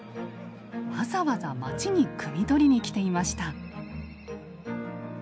わざわざ町にくみ取りに来ていました。